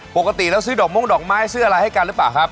ปกติแล้วซื้อดอกม่วงดอกไม้ซื้ออะไรให้กันหรือเปล่าครับ